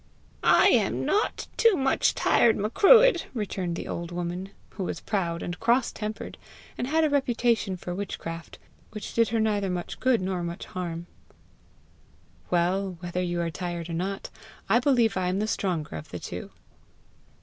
"I am not too much tired, Macruadh!" returned the old woman, who was proud and cross tempered, and had a reputation for witchcraft, which did her neither much good nor much harm. "Well, whether you are tired or not, I believe I am the stronger of the two!"